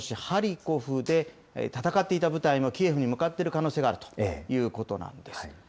ハリコフで戦っていた部隊もキエフに向かっている可能性もあるということなんです。